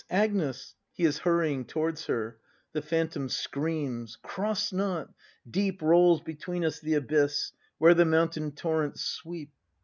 Agnes ! [He is hurrying towards her. The Phantom. Cross not! Deep Rolls between us the abyss, Where the mountain torrents sweep!